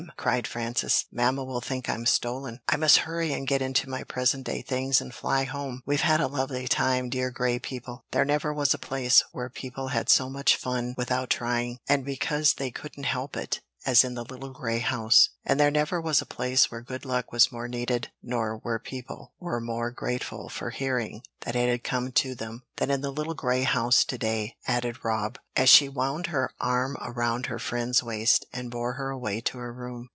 cried Frances. "Mamma will think I'm stolen. I must hurry and get into my present day things and fly home. We've had a lovely time, dear Grey people! There never was a place where people had so much fun without trying, and because they couldn't help it, as in the little grey house." "And there never was a place where good luck was more needed, nor where people were more grateful for hearing that it had come to them, than in the little grey house to day," added Rob, as she wound her arm around her friend's waist, and bore her away to her room.